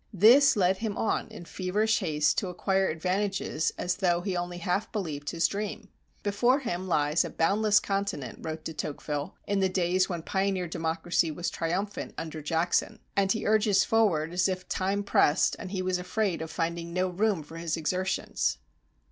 This led him on in feverish haste to acquire advantages as though he only half believed his dream. "Before him lies a boundless continent," wrote De Tocqueville, in the days when pioneer democracy was triumphant under Jackson, "and he urges forward as if time pressed and he was afraid of finding no room for his exertions."